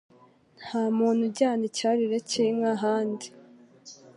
Nta muntu ujyana icyarire cy’inka ahandi,